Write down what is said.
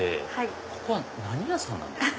ここは何屋さんなんですか？